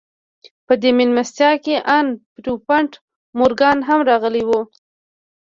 په دې مېلمستيا کې ان پيرپونټ مورګان هم راغلی و.